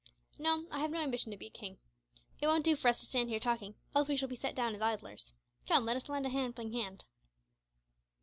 No; I have no ambition to be a king. But it won't do for us to stand here talking, else we shall be set down as idlers. Come, let us lend a helping hand."